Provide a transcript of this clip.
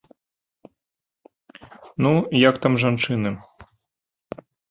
Ну, як там жанчыны?